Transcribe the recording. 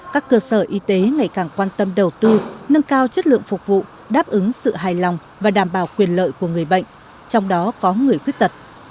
các cơ sở y tế ngày càng quan tâm đầu tư nâng cao chất lượng phục vụ đáp ứng sự hài lòng và đảm bảo quyền lợi của người bệnh trong đó có người khuyết tật